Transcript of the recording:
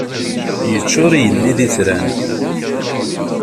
Yeččur yigenni d itran.